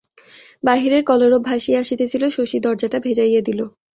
বাহিরের কলরব ভাসিয়া আসিতেছিল, শশী দরজাটা ভেজাইয়া দিল।